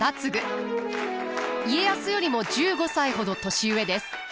家康よりも１５歳ほど年上です。